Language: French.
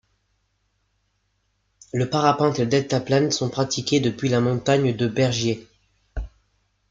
Le parapente et le deltaplane sont pratiqués, depuis la montagne de Bergiès.